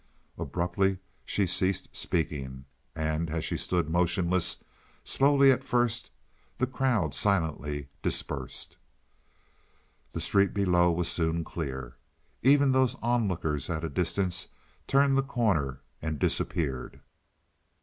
Abruptly she ceased speaking, and, as she stood motionless, slowly at first, the crowd silently dispersed. The street below was soon clear. Even those onlookers at a distance turned the corner and disappeared.